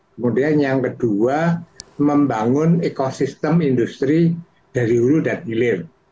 kemudian yang kedua membangun ekosistem industri dari hulu dan hilir